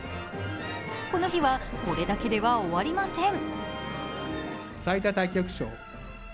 この日は、これだけでは終わりません。